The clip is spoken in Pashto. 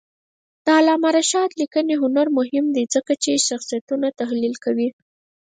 د علامه رشاد لیکنی هنر مهم دی ځکه چې شخصیتونه تحلیل کوي.